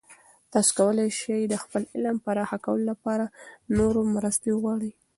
تاسې کولای سئ د خپل علم پراخه کولو لپاره له نورو مرستې وغواړئ.